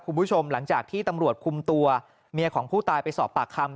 คุณผู้ชมหลังจากที่ตำรวจคุมตัวเมียของผู้ตายไปสอบปากคำ